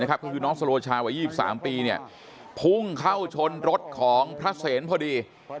คือน้องสโรชาวะ๒๓ปีพุ่งเข้าชนรถของพระเศรษฐ์พอดี